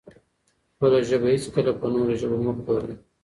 خپله ژبه هېڅکله په نورو ژبو مه پلورئ.